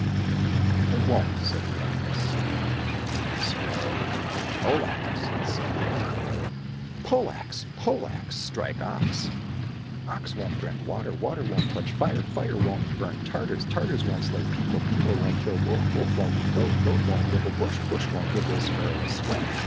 —" I won't !" said the ox. — Then the sparrow went to the pole axe and said, " Pole axe, pole axe, strike ox, ox won't drink water, water won't quench fire, fire won't burn Tartars, Tartars won't slay people, people won't kill wolf, wolf won't eat goat, goat won't nibble bush, bush won't give little sparrow a swing."